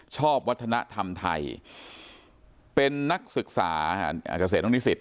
ชอบวัฒนธรรมไทยเป็นนักศึกษาเกษตรน้องนิสิต